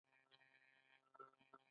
د انسان د انتخابي طاقت سره برابروې ؟